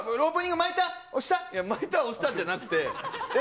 巻いた、押したじゃなくて、えっ？